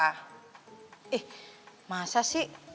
ih masa sih